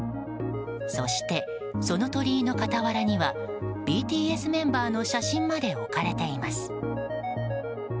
そして、その鳥居の傍らにはＢＴＳメンバーの写真まで置かれています。